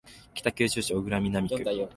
北九州市小倉南区